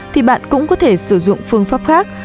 thì bạn cũng có thể sử dụng phương pháp khác